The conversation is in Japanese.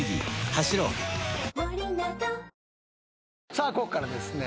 さあこっからですね